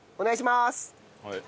はい。